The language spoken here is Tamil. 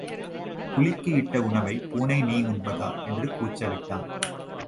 புலிக்கு இட்ட உணவைப் பூனை நீ உண்பதா? என்று கூச்சவிட்டான்.